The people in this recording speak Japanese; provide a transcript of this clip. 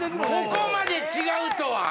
ここまで違うとは！